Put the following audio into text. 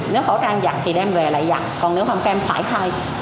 nếu khẩu trang giặt thì đem về lại giặt còn nếu không các em phải thay